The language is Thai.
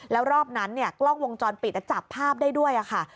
แล้วรอบนั้นเนี่ยกล้องวงจรปิดจับภาพได้ด้วยค่ะ